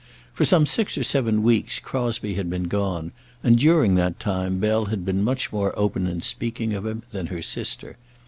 For some six or seven weeks Crosbie had been gone, and during that time Bell had been much more open in speaking of him than her sister.